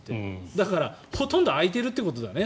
だから、ほとんど空いてるということだね